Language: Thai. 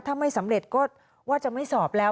ถ้าไม่สำเร็จก็ว่าจะไม่สอบแล้ว